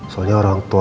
soalnya orang tua